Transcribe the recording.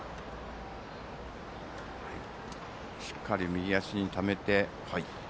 しっかり右足にためて。